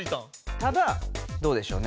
ただどうでしょうね。